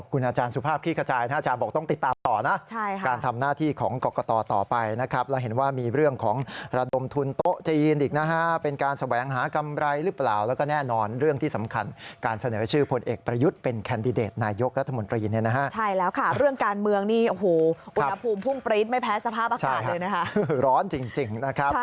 การทำหน้าที่ของกรกต่อต่อไปนะครับเราเห็นว่ามีเรื่องของระดมทุนโต๊ะจีนอีกนะฮะเป็นการแสวงหากำไรหรือเปล่าแล้วก็แน่นอนเรื่องที่สำคัญการเสนอชื่อผลเอกประยุทธ์เป็นแคนดิเดตนายกรัฐมนตรีนี่นะฮะใช่แล้วค่ะเรื่องการเมืองนี่อุณหภูมิพุ่งปริศไม่แพ้สภาพอากาศเลยนะฮะร้อนจริงนะครับ